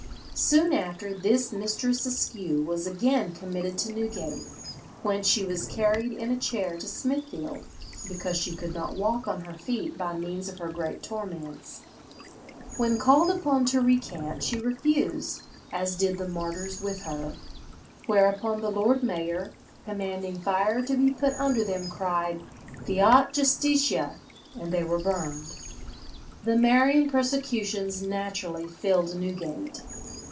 Soon after this Mistress Askew was again committed to Newgate, whence she was carried in a chair to Smithfield, "because she could not walk on her feet by means of her great torments. When called upon to recant she refused, as did the martyrs with her." Whereupon the lord mayor, commanding fire to be put under them, cried, "Fiat Justitia," and they were burned. The Maryan persecutions naturally filled Newgate.